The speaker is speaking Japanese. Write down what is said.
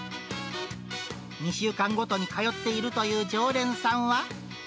２週間ごとに通っているという常連さんは。